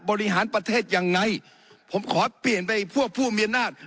บริหารประเทศยังไงผมขอเปลี่ยนไปพวกผู้มีอำนาจ